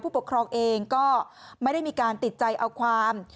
ปกครองเองก็ไม่ได้มีการติดใจเอาความ